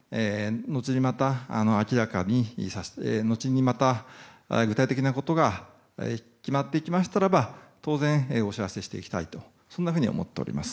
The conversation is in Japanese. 後に具体的なことが決まってきましたらば当然、お知らせしていきたいとそんなふうに思っております。